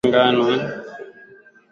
Aidha Mkoa una Majimbo tisa ya uchaguzi